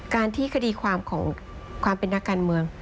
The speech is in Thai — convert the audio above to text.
การที่คดีความของความเป็นนักการเมือง